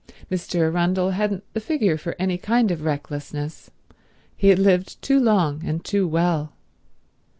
Mr. Arundel hadn't the figure for any kind of recklessness. He had lived too long and too well.